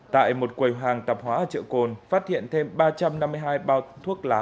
tại một quầy hàng tạp hóa ở chợ cồn phát hiện thêm ba trăm năm mươi hai bao thuốc lá